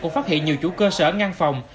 cũng phát hiện nhiều chủ cơ sở ngăn phòng